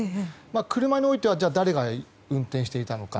車においてはじゃあ、誰が運転していたのか。